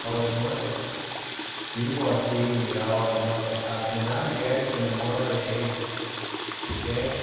Al final, Gary se enamora de ella.